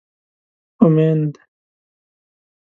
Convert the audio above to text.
امېند